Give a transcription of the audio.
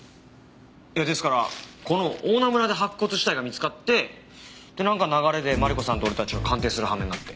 いやですからこの大菜村で白骨死体が見つかってでなんか流れでマリコさんと俺たちが鑑定するはめになって。